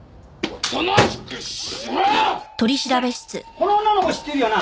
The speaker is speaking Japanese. この女の子知ってるよな？